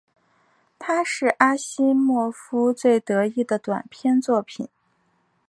它是阿西莫夫最得意的短篇作品。